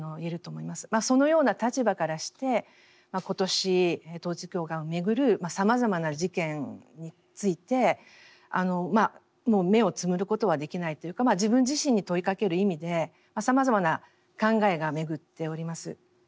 そのような立場からして今年統一教会をめぐるさまざまな事件についてもう目をつむることはできないというか自分自身に問いかける意味でさまざまな考えが巡っております。